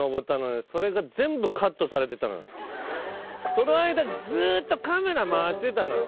その間ずーっとカメラ回してたのよ。